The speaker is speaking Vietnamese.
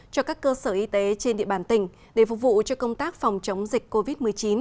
cho các cơ sở y tế trên địa bàn tỉnh để phục vụ cho công tác phòng chống dịch covid một mươi chín